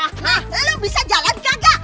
hah lu bisa jalan kagak